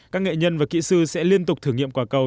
các nghệ nhân và kỹ sư sẽ liên tục thử nghiệm quả cầu